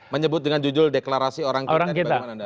menyebut dengan jujur deklarasi orang kita